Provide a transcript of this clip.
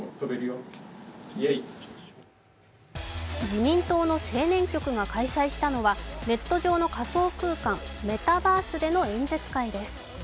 自民党の青年局が開催したのはネット上の仮想空間＝メタバースでの演説会です。